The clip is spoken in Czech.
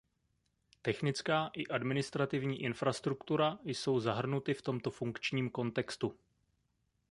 Technická i administrativní infrastruktura jsou zahrnuty v tomto funkčním kontextu.